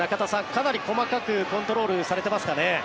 かなり細かくコントロールされてますかね。